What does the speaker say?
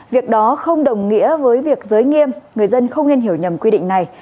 việc đó không đồng nghĩa với việc giới nghiêm người dân không nên hiểu nhầm quy định này